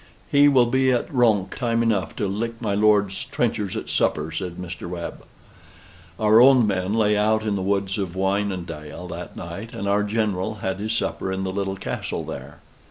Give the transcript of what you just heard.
"He will be at Roncq time enough to lick my Lord Duke's trenchers at supper," says Mr. Webb. Our own men lay out in the woods of Wynendael that night, and our General had his supper in the little castle there.